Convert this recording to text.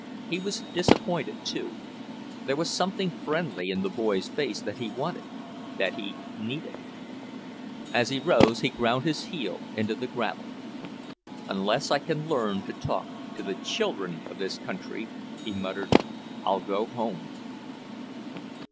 He was disappointed, too. There was something friendly in the boy's face that he wanted... that he needed. As he rose he ground his heel into the gravel. "Unless I can learn to talk to the CHILDREN of this country," he muttered, "I'll go home!"